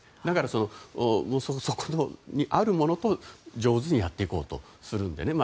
だから、そこにあるものと上手にやっていこうとするので。